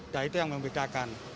dan itu yang membedakan